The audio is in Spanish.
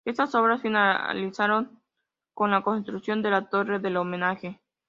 Estas obras finalizarían con la construcción de la "Torre del Homenaje".